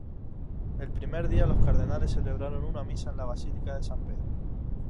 El primer día los cardenales celebraron una misa en la Basílica de San Pedro.